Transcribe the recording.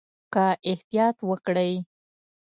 که احتیاط وکړئ